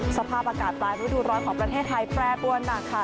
สภาพอากาศตายระดูดร้อนของประเทศไทยแปรนบน